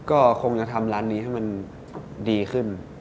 ก็คงจะทำร้านนี้ให้มันดีขึ้น